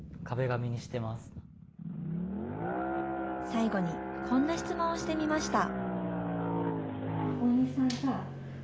最後にこんな質問をしてみました。